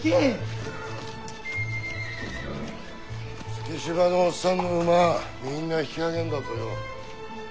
月柴のおっさんの馬みんな引き揚げんだとよ。